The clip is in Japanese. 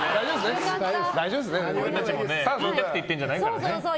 俺たちも言いたくて言ってるんじゃないから。